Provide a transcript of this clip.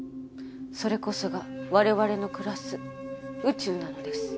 それこそが我々の暮らす宇宙なのです。